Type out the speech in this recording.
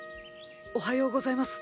おはようございます。